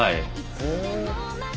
へえ。